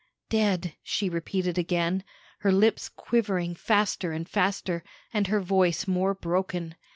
"Dead!" she repeated again, her lips quivering faster and faster, and her voice more broken.